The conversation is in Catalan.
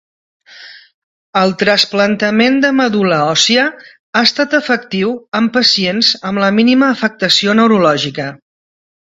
El trasplantament de medul·la òssia ha estat efectiu en pacients amb la mínima afectació neurològica.